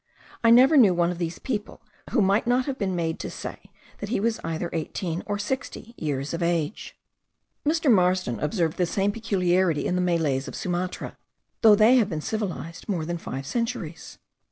I never knew one of these people who might not have been made to say that he was either eighteen or sixty years of age. Mr. Marsden observed the same peculiarity in the Malays of Sumatra, though they have been civilized more than five centuries.